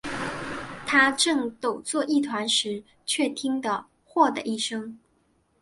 他正抖作一团时，却听得豁的一声